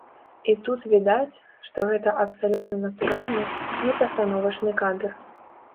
І тут відаць, што гэта абсалютна натуральны, не пастановачны кадр.